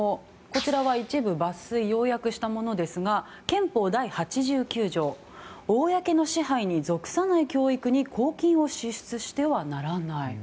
こちらは、一部抜粋要約したものですが憲法第８９条公の支配に属さない教育に公金を支出してはならない。